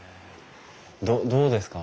どうですか？